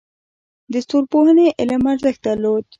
د ستورپوهنې علم ارزښت درلود